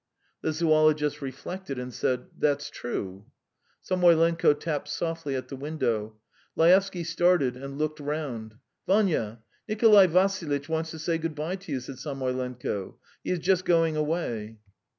The zoologist reflected, and said: "That's true." Samoylenko tapped softly at the window. Laevsky started and looked round. "Vanya, Nikolay Vassilitch wants to say goodbye to you," said Samoylenko. "He is just going away."